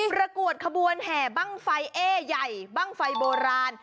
ประกวดขบวนแห่บ้างไฟเอ้ใหญ่บ้างไฟโบราณ